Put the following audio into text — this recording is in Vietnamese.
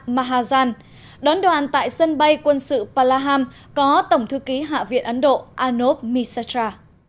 mahajan đón đoàn tại sân bay quân sự palaham có tổng thư ký hạ viện ấn độ anup misatra